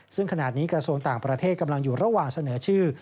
ซึ่งขณะนี้กระทรวงต่างประเทศกำลังอยู่ระหว่างเสนอชื่อ